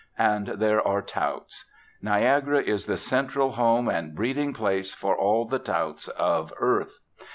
And there are Touts. Niagara is the central home and breeding place for all the touts of earth.